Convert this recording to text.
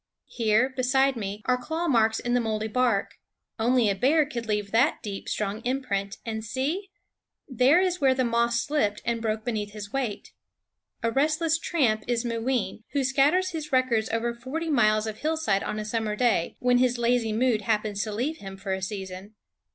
Here, beside me, are claw marks in the moldy bark. Only a bear could leave that deep, strong imprint. And see ! there is where the moss slipped and broke beneath 25 SCHOOL OF 26 What ffie Fawns Know his weight. A restless tramp is Mooween, who scatters his records over forty miles of hillside on a summer day, when his lazy mood happens to leave him for a season.